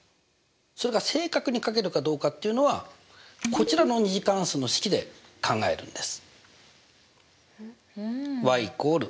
それが正確にかけるかどうかっていうのはこちらの２次関数の式で考えるんです。